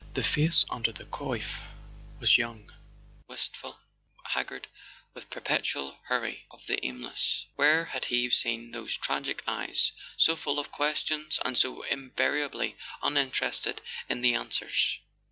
The face under the coif was young, wistful, [ 143 ] A SON AT THE FRONT haggard with the perpetual hurry of the aimless. Where had he seen those tragic eyes, so full of questions and so invariably uninterested in the answers